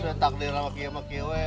bisa takdir sama kia maki weh